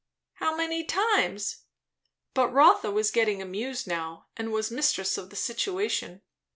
"How many times?" But Rotha was getting amused now, and was mistress of the situation.